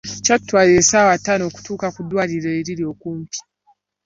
Kyatutwalira essaawa ttaano okutuuka ku ddwaliro eriri okumpi.